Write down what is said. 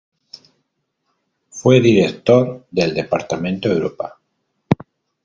Fue Director del departamento Europa.